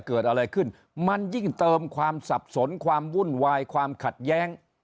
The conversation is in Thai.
เกิดอะไรขึ้นมันยิ่งเติมความสับสนความวุ่นวายความขัดแย้ง